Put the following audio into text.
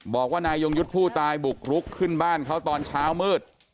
บอกว่านายยงยุทธ์ผู้ตายบุกรุกขึ้นบ้านเขาตอนเช้ามืด